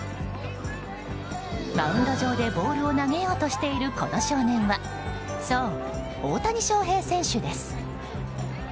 マウンド上でボールを投げようとしている、この少年はそう、大谷翔平選手です。